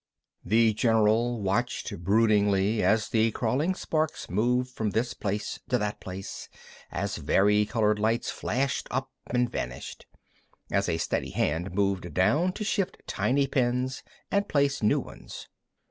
The general watched broodingly as the crawling sparks moved from this place to that place, as varicolored lights flashed up and vanished, as a steady hand reached down to shift tiny pins and place new ones.